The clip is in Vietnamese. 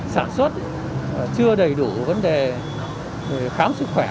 sản xuất chưa đầy đủ vấn đề khám sức khỏe